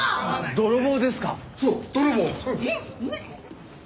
泥棒。